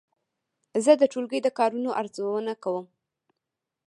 زه د ټولګي د کارونو ارزونه کوم.